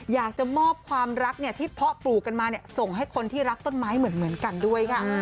อยากจะมอบความรักที่เพาะปลูกกันมาส่งให้คนที่รักต้นไม้เหมือนกันด้วยค่ะ